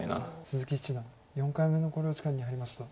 鈴木七段４回目の考慮時間に入りました。